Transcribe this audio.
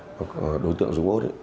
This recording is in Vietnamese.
đối tượng dũng út